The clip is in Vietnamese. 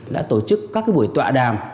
đã tổ chức các buổi tọa đàm